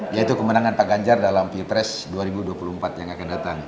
yaitu kemenangan pak ganjar dalam pilpres dua ribu dua puluh empat yang akan datang